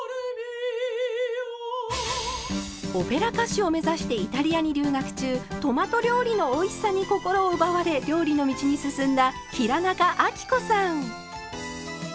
オペラ歌手を目指してイタリアに留学中トマト料理のおいしさに心を奪われ料理の道に進んだ平仲亜貴子さん。